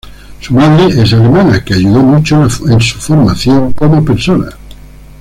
Su madre es alemana, que ayudó mucho en su formación como persona.